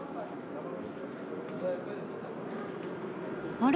あれ？